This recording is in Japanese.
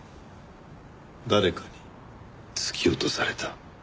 誰かに突き落とされた。